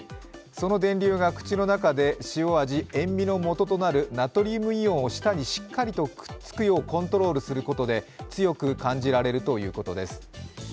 その電流が口の中で塩味のもととなるナトリウムイオンを舌にしっかりつくようにコントロールすることで強く感じられるということです。